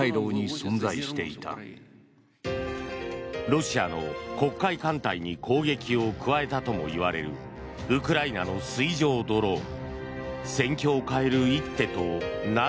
ロシアの黒海艦隊に攻撃を加えたともいわれるウクライナの水上ドローン。